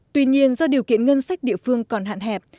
tuy nhiên do điều kiện ngân sách địa phương còn hạn hẹp